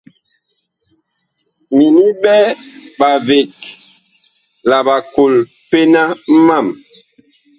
Mini ɓɛ ɓaveg la ɓakol pena mam.